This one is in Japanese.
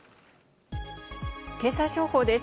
経済情報です。